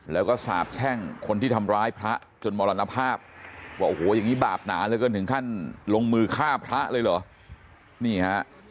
แล้วก็สาบแช่งคนที่ทำร้ายพระจนมรณภาพว่าโอ้โหอย่างนี้บาปหนาเหลือเกินถึงขั้นลงมือฆ่าพระเลยเหรอนี่ฮะ